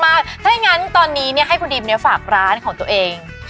ถ้าอย่างนั้นตอนนี้เนี่ยคุณดีมเนี่ยฝากร้านของตัวเอง